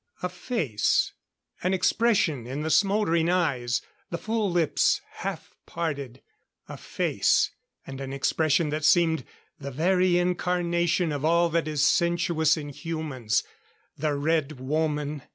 A face, an expression in the smouldering eyes, the full lips half parted a face and an expression that seemed the very incarnation of all that is sensuous in humans. The Red Woman!